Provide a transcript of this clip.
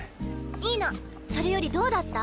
いいのそれよりどうだった？